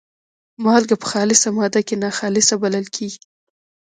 مالګه په خالصه ماده کې ناخالصه بلل کیږي.